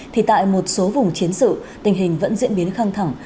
thì tại một số vùng chiến sự tình hình vẫn diễn biến khăng thẳng